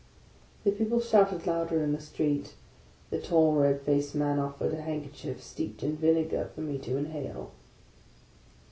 The people shouted louder in the street. The tall red faced man offered a handkerchief, steeped in vinegar, for me to inhale.